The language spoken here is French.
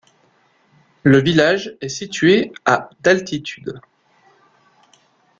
Le village est situé à d’altitude.